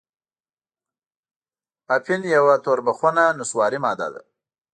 اپین یوه توربخنه نسواري ماده ده.